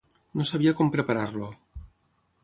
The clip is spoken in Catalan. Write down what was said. No sabia com preparar-lo...